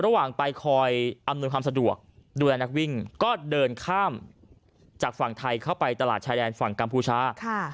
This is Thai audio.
ระหว่างไปคอยอำนวยความสะดวกดูแลนักวิ่งก็เดินข้ามจากฝั่งไทยเข้าไปตลาดชายแดนฝั่งกัมพูชา